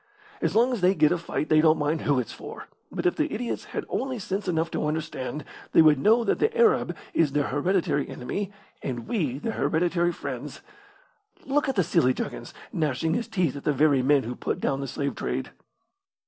As long as they get a fight they don't mind who it's for; but if the idiots had only sense enough to understand, they would know that the Arab is their hereditary enemy, and we their hereditary friends. Look at the silly juggins, gnashing his teeth at the very men who put down the slave trade!"